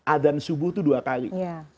adhan subuh itu dua kali